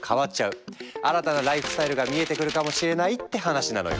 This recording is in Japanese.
新たなライフスタイルが見えてくるかもしれないって話なのよ。